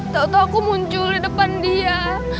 tau tau aku muncul di depan dia